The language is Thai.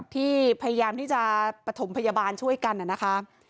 พยายามที่จะปฐมพยาบาลช่วยกันนะคะ